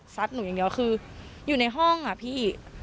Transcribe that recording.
หนูอย่างเดียวคืออยู่ในห้องอะพี่